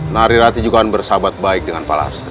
nari rati juga kan bersahabat baik dengan pak lastri